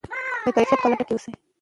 د کیفیت په لټه کې اوسئ.